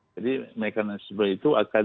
jadi mekanisme itu akan